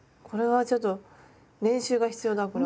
これはちょっと練習が必要だ